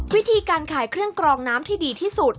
วิธีการขายเครื่องกรองน้ำที่ดีที่สุด